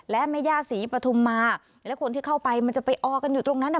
และแม่ย่าศรีปฐุมมาและคนที่เข้าไปมันจะไปออกันอยู่ตรงนั้นอ่ะ